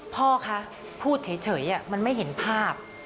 พ่อคะพูดเฉยมันไม่เห็นภาพ